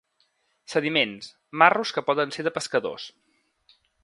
Sediments, marros que poden ser de pescadors.